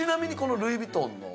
ルイ・ヴィトンの。